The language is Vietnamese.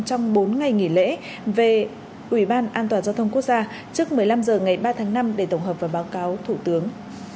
trong bốn ngày nghỉ lễ về ubnd quốc gia trước một mươi năm h ngày ba tháng năm để tổng hợp vào báo cáo thủ tướng